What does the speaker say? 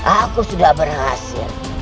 aku sudah berhasil